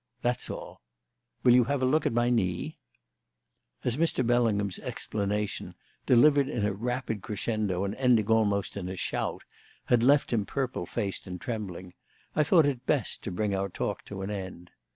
That's all. Will you have a look at my knee?" As Mr. Bellingham's explanation (delivered in a rapid crescendo and ending almost in a shout) had left him purple faced and trembling, I thought it best to bring our talk to an end.